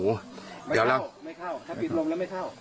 ไม่เข้าไม่เข้าถ้าปิดลมแล้วไม่เข้า